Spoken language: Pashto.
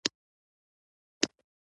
د سړک د مرکزي خط تثبیت د ځمکې پر مخ کیږي